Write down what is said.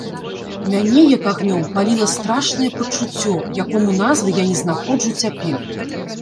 Мяне, як агнём, паліла страшнае пачуццё, якому назвы я не знаходжу цяпер.